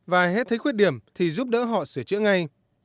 và hết thấy khuyết điểm thì giúp đỡ họ sửa chữa ngay